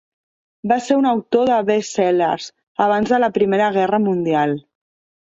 Va ser un autor de best-sellers abans de la Primera Guerra Mundial.